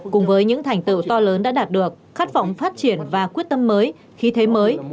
cùng với những thành tựu to lớn đã đạt được khát vọng phát triển và quyết tâm mới khí thế mới